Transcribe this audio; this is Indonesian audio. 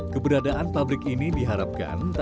keberadaan pabrik ini diharapkan untuk mencapai kepentingan